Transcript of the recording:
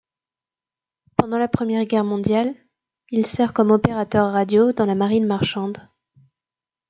Pendant la Première Guerre mondiale, il sert comme opérateur radio dans la marine marchande.